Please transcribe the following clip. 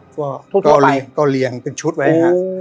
ก็ทั่วทั่วไปก็เรียงเป็นชุดไว้ฮะโอ้